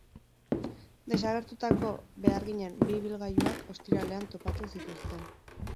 Desagertutako beharginen bi ibilgailuak ostiralean topatu zituzten.